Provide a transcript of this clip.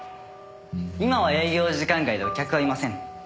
今は営業時間外でお客はいません。